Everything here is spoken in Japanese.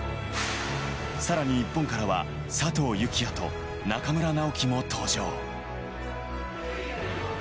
さらに日本からは佐藤幸椰と中村直幹も登場。